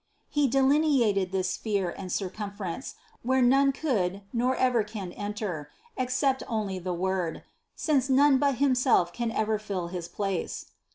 He delineated this sphere and circumference, where none could nor ever can enter, except only the Word (since none but Himself can ever fill his place).